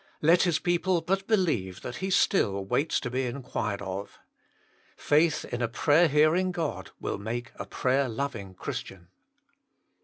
Let His people but believe that He still waits to be inquired of ! Faith in a prayer hearing God will make a prayer loving Christian.